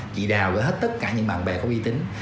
chị đào gửi hết tất cả những bạn bè có uy tín